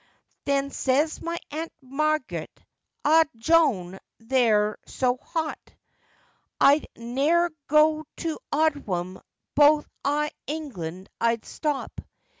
Then says my Aunt Marget, 'Ah! Jone, thee'rt so hot, I'd ne'er go to Owdham, boh i' Englond I'd stop.